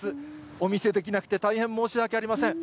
お見せできなくて、大変申し訳ありません。